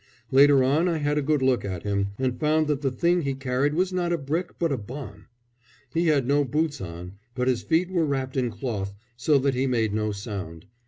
Later on I had a good look at him, and found that the thing he carried was not a brick but a bomb. He had no boots on, but his feet were wrapped in cloth, so that he made no sound.